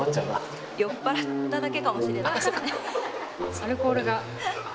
アルコールが。